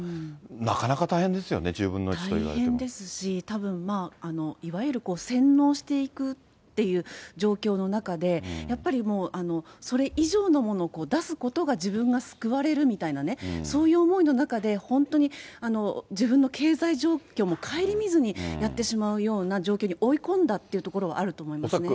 なかなか大変ですよね、大変ですし、たぶん、いわゆる洗脳していくっていう状況の中で、やっぱりそれ以上のものを出すことが自分が救われるみたいなね、そういう思いの中で、本当に自分の経済状況も顧みずにやってしまうような状況に追い込んだっていうところはあると思いますね。